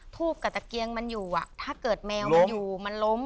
ทูบกับตะเกียงมันอยู่ถ้าเกิดแมวมันอยู่มันล้ม